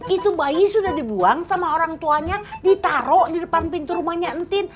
itu bayi sudah dibuang sama orang tuanya ditaruh di depan pintu rumahnya entin